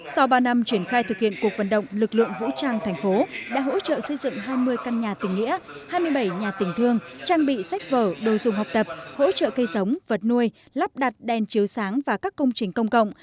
sau ba năm triển khai thực hiện cuộc vận động lực lượng vũ trang thành phố đã hỗ trợ xây dựng hai mươi căn nhà tình nghĩa hai mươi bảy nhà tình thương trang bị sách vở đồ dùng học tập hỗ trợ cây sống vật nuôi lắp đặt đèn chiếu sáng và các công trình công cộng